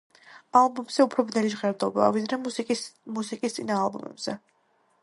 ალბომზე უფრო ბნელი ჟღერადობაა, ვიდრე მუსიკოსის წინა ალბომებზე.